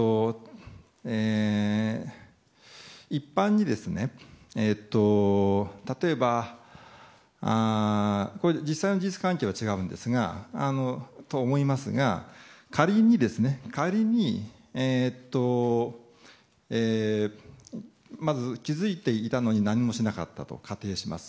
一般に、例えば実際の事実関係は違うと思いますが仮に、まず気づいていたのに何もしなかったと仮定します。